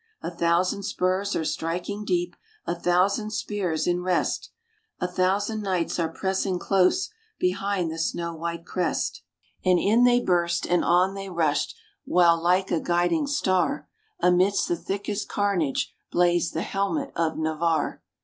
A thousand spurs are striking deep, a thousand spears in rest, A thousand knights are pressing close behind the snow white crest ; RAINBOW GOLD And in they burst, and on they rushed, while, like a guiding star, Amidst the thickest carnage blazed the helmet of Navarre.